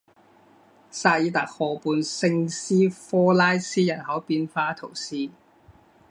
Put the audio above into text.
萨尔特河畔圣斯科拉斯人口变化图示